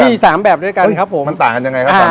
มีสามแบบด้วยกันครับผมมันต่างกันยังไงครับอาจา